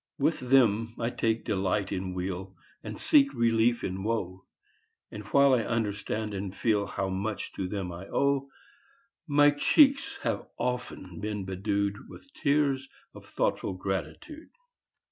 1 1 10 GEORGIAN VERSE With them I take delight in weal, And seek relief in woe; And while I understand and feel How much to them I owe, My cheeks have often been bedew'd With tears of thoughtful gratitude.